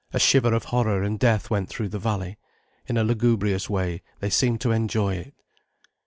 A shiver of horror and death went through the valley. In a lugubrious way, they seemed to enjoy it.